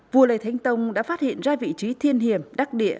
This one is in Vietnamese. vua lê thánh tông đã phát hiện ra vị trí thiên hiểm đắc địa